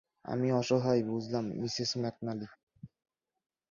আমি অসহায় বুঝলাম মিসেস ম্যাকনালি।